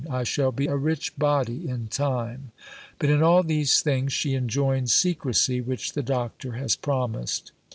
I shall be a rich body in time." But in all these things, she enjoins secresy, which the doctor has promised.